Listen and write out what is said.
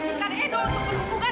sama anak edo untuk berhubungan